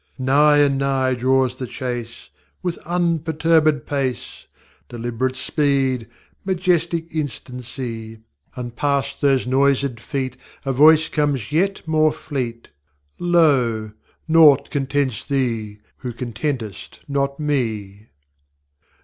Nigh and nigh draws the chase, With unperturb├©d pace, Deliberate speed, majestic instancy; And past those nois├©d Feet A voice comes yet more fleetŌĆö ŌĆśLo! naught contents thee, who contentŌĆÖst not Me!